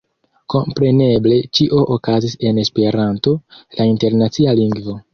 Kompreneble ĉio okazis en Esperanto, la internacia lingvo.